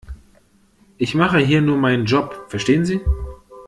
Ich mache hier nur meinen Job, verstehen Sie?